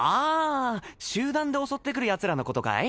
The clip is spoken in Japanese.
集団で襲ってくるヤツらのことかい？